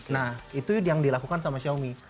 nah itu yang dilakukan sama xiaomi